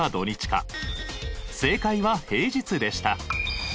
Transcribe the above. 正解は平日でした。